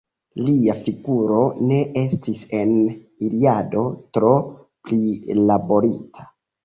Lia figuro ne estis en Iliado tro prilaborita.